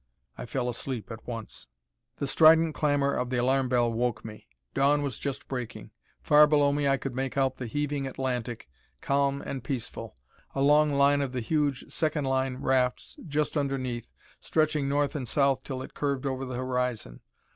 I fell asleep at once. The strident clamor of the alarm bell woke me. Dawn was just breaking. Far below me I could make out the heaving Atlantic, calm and peaceful. A long line of the huge second line rafts just underneath, stretching north and south till it curved over the horizon.